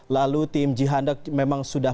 lalu tim jihandak memang sudah